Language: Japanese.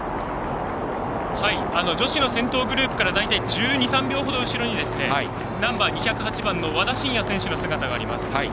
女子の先頭グループから大体１２１３秒後ろに、ナンバー２０８番の和田伸也の姿があります。